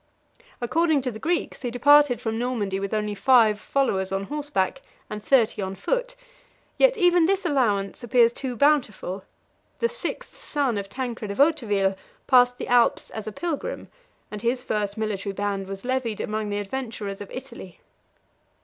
According to the Greeks, he departed from Normandy with only five followers on horseback and thirty on foot; yet even this allowance appears too bountiful: the sixth son of Tancred of Hauteville passed the Alps as a pilgrim; and his first military band was levied among the adventurers of Italy.